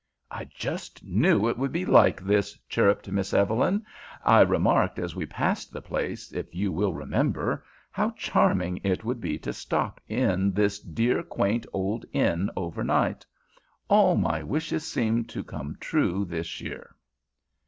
"I just knew it would be like this!" chirruped Miss Evelyn. "I remarked as we passed the place, if you will remember, how charming it would be to stop in this dear, quaint old inn over night. All my wishes seem to come true this year."